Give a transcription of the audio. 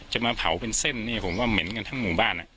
จะมาเผาเป็นเส้นเนี่ยผมก็เหม็นกันทั้งหมู่บ้าน